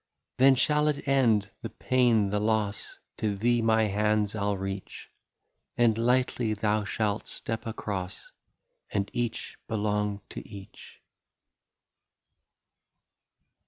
" Then shall it end, the pain, the loss, To thee my hands I '11 reach ; And lightly thou shalt step across. And each belong to each."